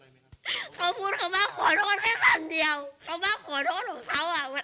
แม่มันบอกว่า